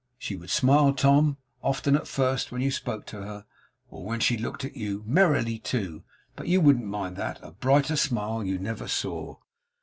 She would smile, Tom, often at first when you spoke to her, or when she looked at you merrily too but you wouldn't mind that. A brighter smile you never saw.